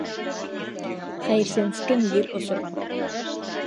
Хэйерсенскен ел осорған.